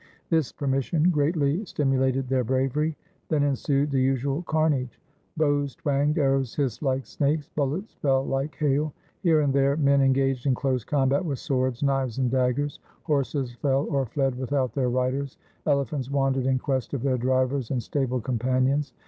This permission greatly stimulated their bravery. Then ensued the usual carnage. Bows twanged, arrows hissed like snakes, bullets fell like hail. Here and there men engaged 204 THE SIKH RELIGION in close combat with swords, knives, and daggers. Horses fell or fled without their riders. Elephants wandered in quest of their drivers and stable com panions.